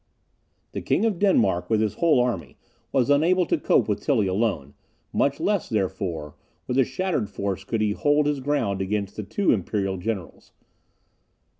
The King of Denmark, with his whole army, was unable to cope with Tilly alone; much less, therefore, with a shattered force could he hold his ground against the two imperial generals.